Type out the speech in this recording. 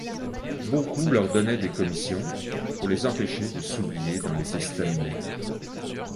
Beaucoup leur donnaient des commissions, pour les empêcher de s’oublier dans les estaminets.